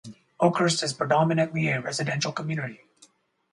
Oakhurst is predominantly a residential community.